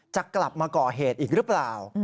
จะกลับมาก่อเหตุอีกหรือเปล่า